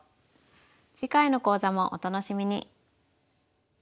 次回の講座もお楽しみに。